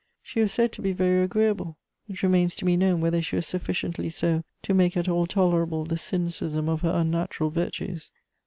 She was said to be very agreeable: it remains to be known whether she was sufficiently so to make at all tolerable the cynicism of her unnatural virtues.